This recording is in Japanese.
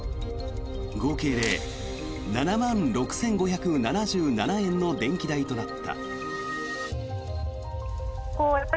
合計で７万６５７７円の電気代となった。